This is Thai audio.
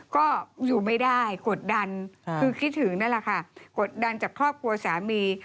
ก็อยู่ไม่ได้กดดันคือคิดถึงนั่นแหละค่ะกดดันจากครอบครัวสามี